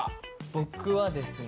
僕はですね